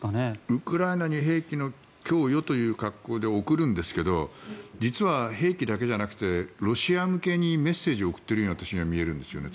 ウクライナに兵器の供与という格好で送るんですけど実は兵器だけじゃなくてロシア向けにメッセージを送っているように私には見えるんですよね。